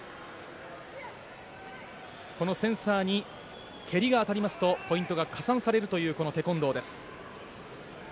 このセンサーに蹴りが当たりますとポイントが加算されるというこのテコンドーです。